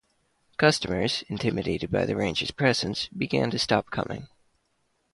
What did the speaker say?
Customers, intimidated by the Rangers' presence, began to stop coming.